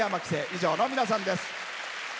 以上の皆さんです。